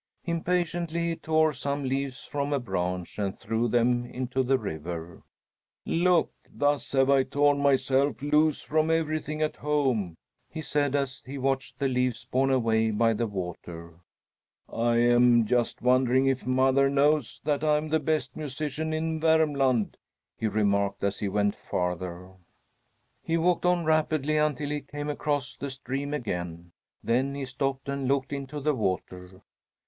Impatiently he tore some leaves from a branch and threw them into the river. "Look! thus have I torn myself loose from everything at home," he said, as he watched the leaves borne away by the water. "I am just wondering if mother knows that I'm the best musician in Vermland?" he remarked as he went farther. He walked on rapidly until he came across the stream again. Then he stopped and looked into the water.